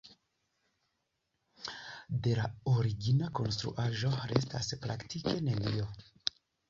De la origina konstruaĵo restas praktike nenio.